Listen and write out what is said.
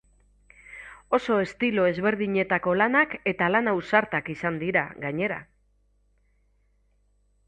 Oso estilo ezberdinetako lanak eta lan ausartak izan dira, gainera.